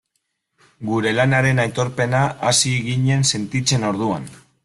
Gure lanaren aitorpena hasi ginen sentitzen orduan.